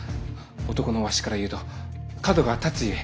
男のわしから言うと角が立つゆえ！